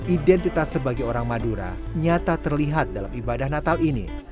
identitas sebagai orang madura nyata terlihat dalam ibadah natal ini